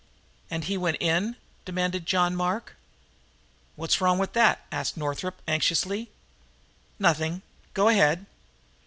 '" "And he went in?" demanded John Mark. "What's wrong with that?" asked Northup anxiously. "Nothing. Go ahead."